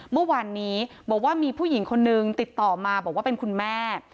เมื่อวานนี้บอกว่ามีผู้หญิงคนนึงติดต่อมาบอกว่าเป็นคุณแม่